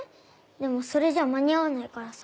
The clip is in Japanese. でもそれじゃ間に合わないからさ。